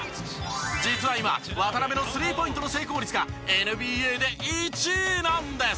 実は今渡邊のスリーポイントの成功率がＮＢＡで１位なんです。